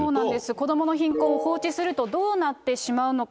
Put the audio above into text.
子どもの貧困を放置すると、どうなってしまうのか。